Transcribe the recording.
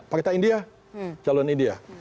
partai india calonnya itu